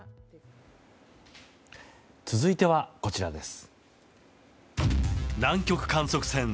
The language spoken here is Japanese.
続いては、こちらです。